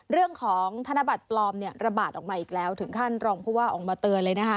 ธนบัตรปลอมเนี่ยระบาดออกมาอีกแล้วถึงขั้นรองผู้ว่าออกมาเตือนเลยนะคะ